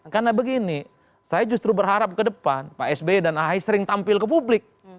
karena begini saya justru berharap ke depan pak sbi dan ahi sering tampil ke publik